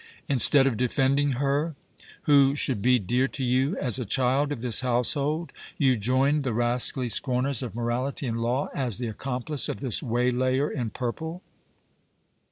Instead of defending her who should be dear to you as a child of this household, you joined the rascally scorners of morality and law as the accomplice of this waylayer in purple!"